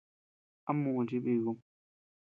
¿A muʼu chii bikum?